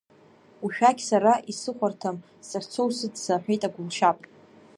Ушәақь сара исыхәарҭам, сахьцо усыцца, — аҳәеит агәылшьап.